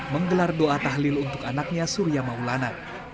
menggelar doa tahlil untuk anaknya surya maulana